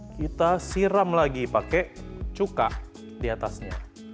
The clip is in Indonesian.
kita siram lagi pakai cuka di atasnya